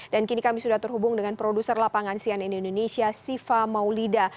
dan kini kami sudah terhubung dengan produser lapangan sian indonesia siva maulida